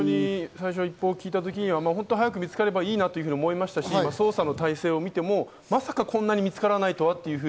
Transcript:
一報を聞いたときに早く見つかればいいなと思いましたし、捜索の態勢を見てもここまで見つからないとは。